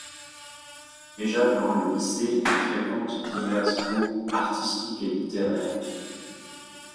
Déjà durant le lycée, il fréquente divers groupes artistiques et littéraires.